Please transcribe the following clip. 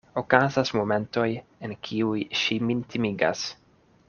Okazas momentoj, en kiuj ŝi min timigas.